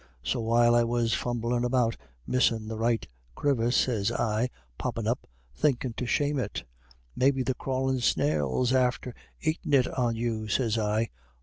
So while it was fumblin' about, missin' the right crevice, sez I, poppin' up, thinkin' to shame it, 'Maybe the crawly snail's after aitin' it on you,' sez I.